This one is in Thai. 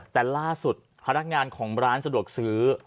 แต่ล่าสุดพนักงานของร้านสะดวกซื้อ